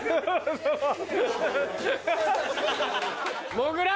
もぐら！